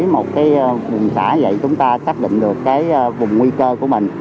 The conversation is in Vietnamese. một cái vùng xã vậy chúng ta xác định được cái vùng nguy cơ của mình